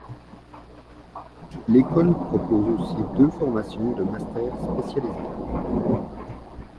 L’école propose aussi deux formations de Mastère spécialisé.